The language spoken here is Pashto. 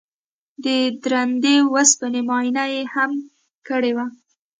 د درندې وسپنې معاینه یې هم کړې وه